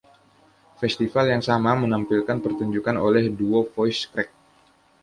Festival yang sama menampilkan pertunjukan oleh duo Voice Crack.